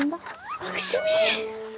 悪趣味！